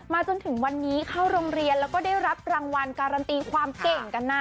จนถึงวันนี้เข้าโรงเรียนแล้วก็ได้รับรางวัลการันตีความเก่งกันนะ